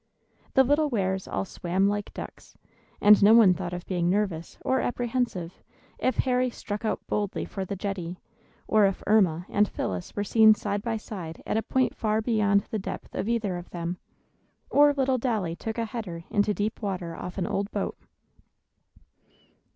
The little Wares all swam like ducks; and no one thought of being nervous or apprehensive if Harry struck out boldly for the jetty, or if Erma and Phyllis were seen side by side at a point far beyond the depth of either of them, or little Dolly took a "header" into deep water off an old boat.